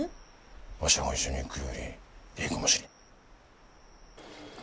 わしらが一緒に行くよりええかもしれん。